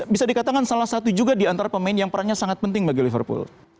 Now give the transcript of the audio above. bisa dikatakan salah satu juga di antara pemain yang perannya sangat penting bagi liverpool